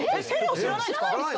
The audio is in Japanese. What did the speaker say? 知らないんですか？